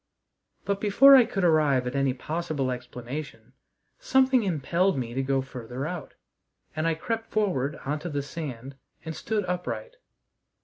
But, before I could arrive at any possible explanation, something impelled me to go farther out, and I crept forward on to the sand and stood upright.